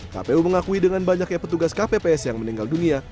kpu mengakui dengan banyaknya petugas kpps yang meninggal dunia